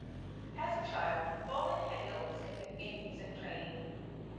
As a child, Follin had no significant music training.